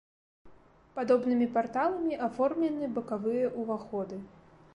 Падобнымі парталамі аформлены бакавыя ўваходы.